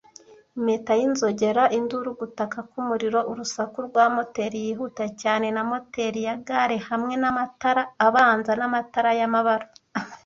Impeta y'inzogera-induru, gutaka k'umuriro, urusaku rwa moteri yihuta cyane na moteri-ya gare hamwe n'amatara abanza n'amatara y'amabara ,